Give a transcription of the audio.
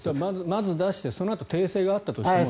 まず出して、そのあと訂正があったとしても。